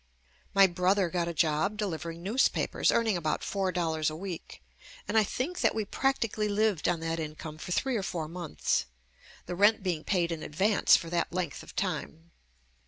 My brother got a job delivering newspapers, earning about four dollars a week, and I think that we prac tically lived on that income for three or four months, the rent being paid in advance for that length of time.